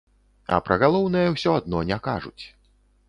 А пра галоўнае ўсё адно не кажуць.